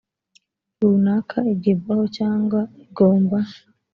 runaka igibwaho cyangwa igomba